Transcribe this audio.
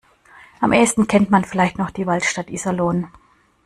Am ehesten kennt man vielleicht noch die Waldstadt Iserlohn.